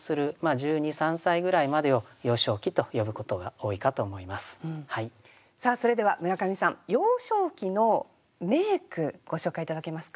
幼少期といいますとさあそれでは村上さん「幼少期」の名句ご紹介頂けますか？